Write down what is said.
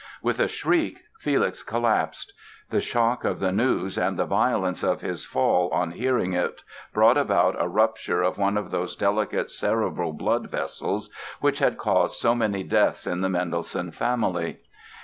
With a shriek, Felix collapsed. The shock of the news and the violence of his fall on hearing it brought about a rupture of one of those delicate cerebral blood vessels which had caused so many deaths in the Mendelssohn family.